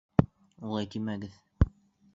Улай тимәгеҙ...